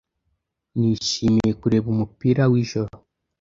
Nishimiye kureba umupira w'ijoro.